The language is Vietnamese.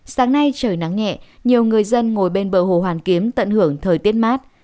sáng nay trời nắng nhẹ nhiều người dân ngồi bên bờ hồ hoàn kiếm tận hưởng thời tiết mát